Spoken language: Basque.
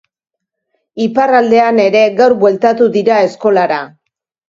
Iparraldean ere gaur bueltatu dira eskolara.